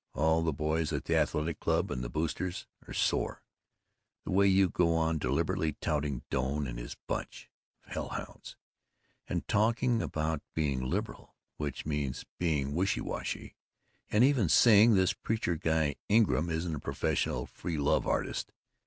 All the boys at the Athletic Club and the Boosters' are sore, the way you go on deliberately touting Doane and his bunch of hell hounds, and talking about being liberal which means being wishy washy and even saying this preacher guy Ingram isn't a professional free love artist.